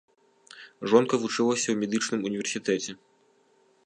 Жонка вучылася ў медычным універсітэце.